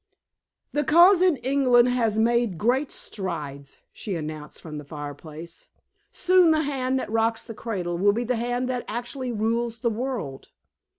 "The Cause in England has made great strides," she announced from the fireplace. "Soon the hand that rocks the cradle will be the hand that actually rules the world."